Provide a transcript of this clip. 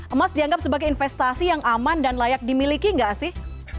emas dianggap sebagai investasi yang aman dan layak dimiliki nggak sih